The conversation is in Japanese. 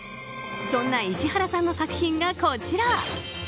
そんな石原さんの作品がこちら。